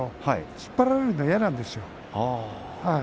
突っ張られるのは嫌なんですね。